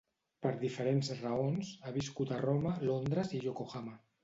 Per diferents raons, ha viscut a Roma, Londres i Yokohama.